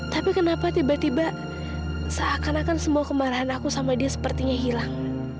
tapi kenapa tiba tiba seakan akan semua kemarahan aku sama dia sepertinya hilang